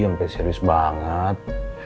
sampai serius banget